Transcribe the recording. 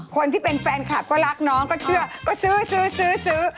คนที่เป็นแฟนคลับก็รักน้องก็เชื่อก็ซื้อซื้อซื้อ